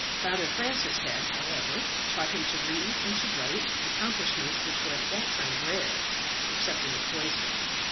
Father Francis had, however, taught him to read and to write accomplishments which were at that time rare, except in the cloister.